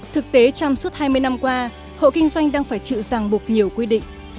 thực tế trong suốt hai mươi năm qua hộ kinh doanh đang phải chịu ràng buộc nhiều quy định